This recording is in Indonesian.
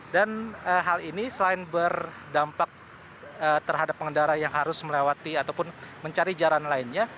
dan hal ini selain berdampak terhadap pengendara yang harus melewati ataupun mencari jalan lainnya